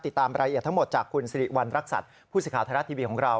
ติดตามรายละเอียดทั้งหมดจากคุณสิริวัณรักษัตริย์ผู้สื่อข่าวไทยรัฐทีวีของเรา